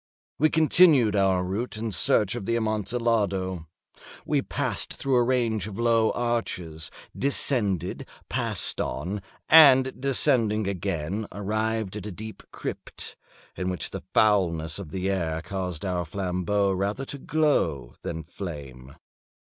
We continued our route in search of the Amontillado. We passed through a range of low arches, descended, passed on, and descending again, arrived at a deep crypt, in which the foulness of the air caused our flambeaux rather to glow than flame.